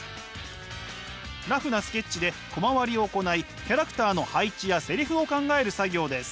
ラフなスケッチでコマ割りを行いキャラクターの配置やセリフを考える作業です。